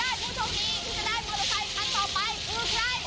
และผู้โชคดีนั่นก็คือ